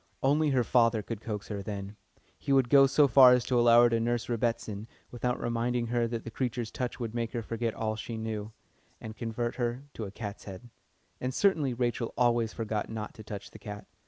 Only her father could coax her then. He would go so far as to allow her to nurse "Rebbitzin," without reminding her that the creature's touch would make her forget all she knew, and convert her into a "cat's head." And certainly Rachel always forgot not to touch the cat.